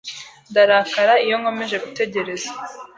Ndarakara iyo nkomeje gutegereza.